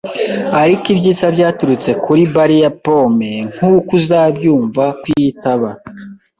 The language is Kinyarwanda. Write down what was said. Ariko ibyiza byaturutse kuri barri ya pome, nkuko uzabyumva, kuko iyo itaba